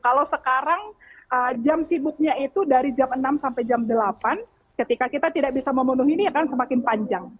kalau sekarang jam sibuknya itu dari jam enam sampai jam delapan ketika kita tidak bisa memenuhi ini akan semakin panjang